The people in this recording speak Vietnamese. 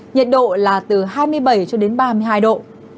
nhiệt độ là từ hai mươi bảy cho đến ba mươi hai độ